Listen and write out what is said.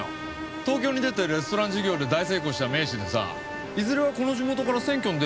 東京に出てレストラン事業で大成功した名士でさいずれはこの地元から選挙に出るって聞いてるけど。